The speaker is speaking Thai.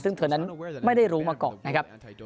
ซึ่งเธอนั้นไม่ได้รู้มาก่อนนะครับ